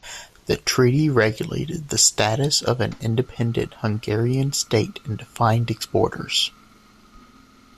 The treaty regulated the status of an independent Hungarian state and defined its borders.